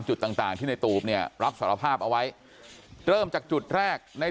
จุดต่างต่างที่ในตูบเนี่ยรับสารภาพเอาไว้เริ่มจากจุดแรกใน